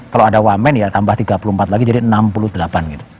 kalau ada wamen ya tambah tiga puluh empat lagi jadi enam puluh delapan gitu